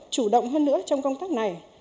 chủ động hơn nữa trong công tác này